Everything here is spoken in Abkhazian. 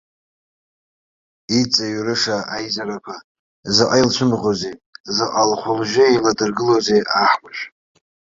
Иҵаҩрыша аизарақәа, заҟа илцәымӷузеи, заҟа лхәы-лжьы еиладыргылоузеи аҳкәажә.